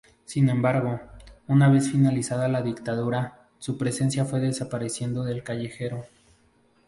Sin embargo, una vez finalizada la dictadura, su presencia fue desapareciendo del callejero.